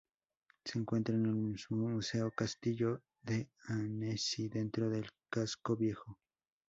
Se encuentra en el Museo Castillo de Annecy, dentro del casco viejo.